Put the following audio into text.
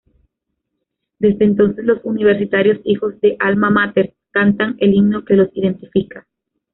Desde entonces, los universitarios, hijos del Alma Máter, cantan el himno que los identifica.